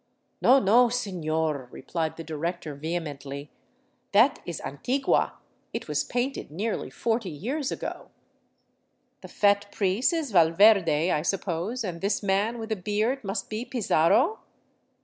" No, no, sefior," replied the director vehemently, " that is antigua. It was painted nearly forty years ago." " The fat priest is Valverde, I suppose, and this man with a beard must be PIzarro?